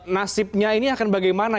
nasibnya ini akan bagaimana